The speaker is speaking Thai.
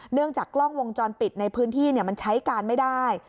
จากกล้องวงจรปิดในพื้นที่มันใช้การไม่ได้